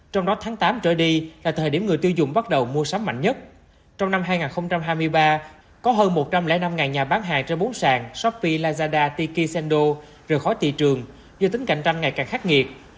trong năm hai nghìn hai mươi ba có hơn một trăm linh năm nhà bán hàng trên bốn sàn shopee lazada tiki sendo rời khỏi thị trường do tính cạnh tranh ngày càng khắc nghiệt